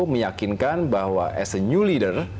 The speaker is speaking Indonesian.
meyakinkan bahwa as a new leader